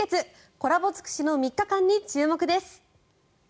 コラボ尽くしの３日間に注目です。